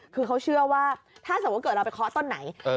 คือเขาเชื่อว่าถ้าเกิดเราเคาะต้นไหน